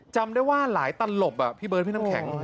จำได้ว่าหลายตลบพี่เบิร์ดพี่น้ำแข็ง